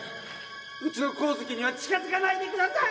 うちの神月には近づかないでください！